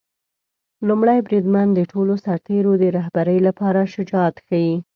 لومړی بریدمن د ټولو سرتیرو د رهبری لپاره شجاعت ښيي.